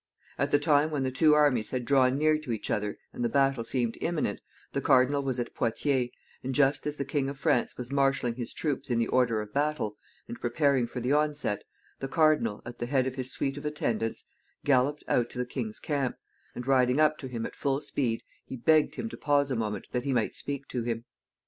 At the time when the two armies had drawn near to each other and the battle seemed imminent, the cardinal was at Poictiers, and just as the King of France was marshaling his troops in the order of battle, and preparing for the onset, the cardinal, at the head of his suite of attendants, galloped out to the king's camp, and, riding up to him at full speed, he begged him to pause a moment that he might speak to him.